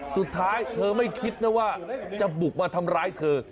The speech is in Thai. เธอไม่คิดนะว่าจะบุกมาทำร้ายเธอ